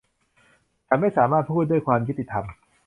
ฉันไม่สามารถพูดด้วยความยุติธรรม